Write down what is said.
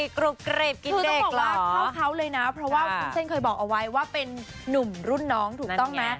คือต้องบอกว่าเข้าเขาเลยนะเพราะว่าวุ้นเส้นเคยบอกเอาไว้ว่าเป็นนุ่มรุ่นน้องถูกต้องไหม